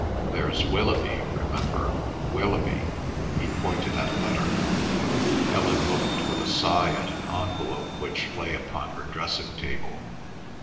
"There's Willoughby, remember—Willoughby"; he pointed at a letter. Helen looked with a sigh at an envelope which lay upon her dressing table.